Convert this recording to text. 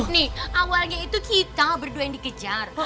nih awalnya itu kita berdua yang dikejar